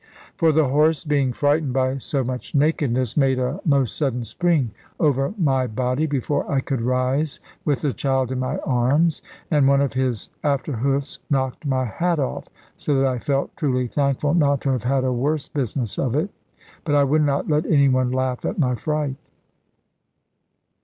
For the horse, being frightened by so much nakedness, made a most sudden spring over my body, before I could rise with the child in my arms; and one of his after hoofs knocked my hat off, so that I felt truly thankful not to have had a worse business of it. But I would not let any one laugh at my fright.